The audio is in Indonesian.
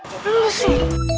sampai jumpa lagi